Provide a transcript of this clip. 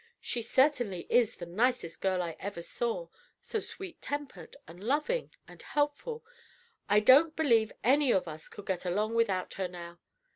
She certainly is the nicest girl I ever saw so sweet tempered and loving and helpful, I don't believe any of us could get along without her now.